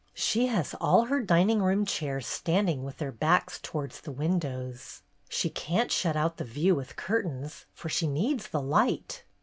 She has all her dining room chairs standing with their backs towards the windows. She can't shut out the view with curtains, for she needs the light."